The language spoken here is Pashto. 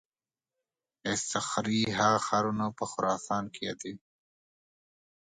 اصطخري هغه ښارونه په خراسان کې یادوي.